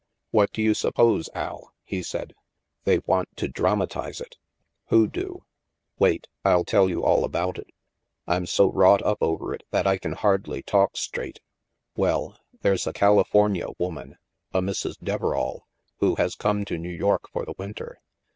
" What do you suppose, Al," he said; " they want to dramatize it." "Who do?" "Wait, m tell you all about it. Fm so wrought up over it that I can hardly talk straight Welf, there's a California woman, a Mrs. Deverall, who has come to New York for the winter.